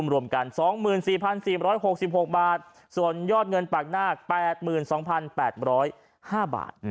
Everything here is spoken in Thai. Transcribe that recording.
รวมกัน๒๔๔๖๖บาทส่วนยอดเงินปากนาค๘๒๘๐๕บาท